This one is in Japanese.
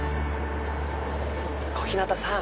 小日向さん。